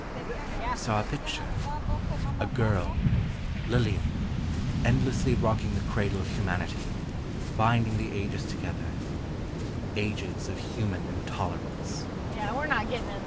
He saw a picture: a girl—Lillian—endlessly rocking the cradle of humanity, binding the ages together—ages of human intolerance.